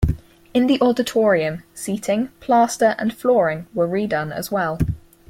In the auditorium, seating, plaster, and flooring were redone as well.